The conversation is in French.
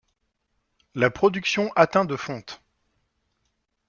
La production atteint de fonte.